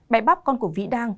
bé bắp con của vĩ đan